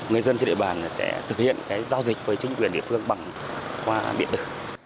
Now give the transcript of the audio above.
người dân trên địa bàn sẽ thực hiện giao dịch với chính quyền địa phương bằng qua điện tử